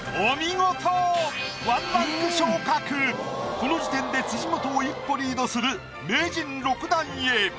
この時点で辻元を一歩リードする名人６段へ！